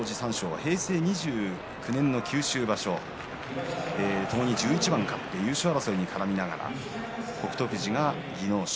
平成２９年の九州場所ともに１１番勝って優勝争いに絡みながら北勝富士が技能賞